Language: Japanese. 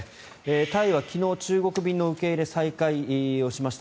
タイは昨日、中国便の受け入れの再開をしました。